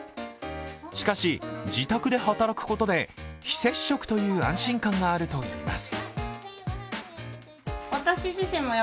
しかし自宅で働くことで、非接触という安心感があるといいます。